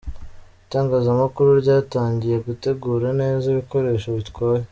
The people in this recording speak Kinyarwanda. Itangazamakuru ryatangiye gutegura neza ibikoresho bitwaje.